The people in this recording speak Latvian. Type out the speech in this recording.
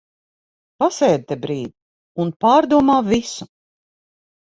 Pasēdi te brīdi un pārdomā visu.